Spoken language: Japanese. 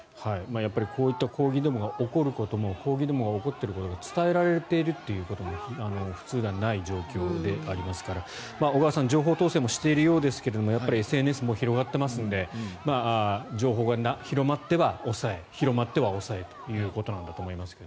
やっぱりこういった抗議デモが起こることも抗議デモが起こっていることが伝えられているということも普通ではない状況でありますから小川さん、情報統制もしているようですがやっぱりＳＮＳも広がっていますので情報が広まっては抑え広まっては抑えということなんだと思いますが。